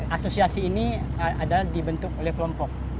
asosiasi ini adalah dibentuk oleh kelompok